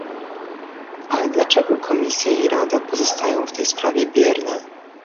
Ale dlaczego Komisja i Rada pozostają w tej sprawie bierne?